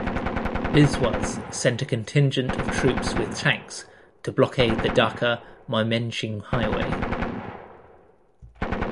Biswas sent a contingent of troops with tanks to blockade the Dhaka-Mymenshing highway.